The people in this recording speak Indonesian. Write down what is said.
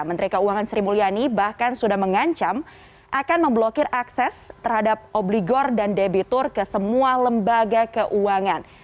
menteri keuangan sri mulyani bahkan sudah mengancam akan memblokir akses terhadap obligor dan debitur ke semua lembaga keuangan